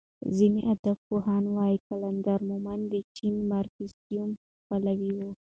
ځینې ادبپوهان وايي قلندر مومند د چیني مارکسیزم پلوی و.